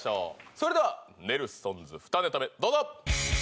それではネルソンズ２ネタ目どうぞ！